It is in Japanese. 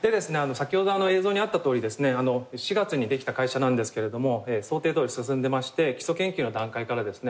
先ほど映像にあったとおりですね４月にできた会社なんですけれども想定どおり進んでまして基礎研究の段階からですね